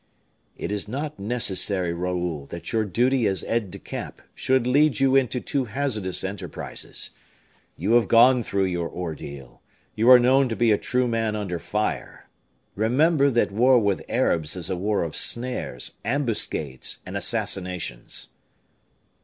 "It is not necessary, Raoul, that your duty as aide de camp should lead you into too hazardous enterprises. You have gone through your ordeal; you are known to be a true man under fire. Remember that war with Arabs is a war of snares, ambuscades, and assassinations."